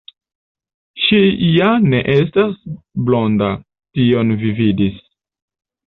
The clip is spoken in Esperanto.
Ŝi ja ne estas blonda, tion vi vidis.